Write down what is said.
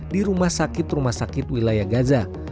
di rumah sakit rumah sakit wilayah gaza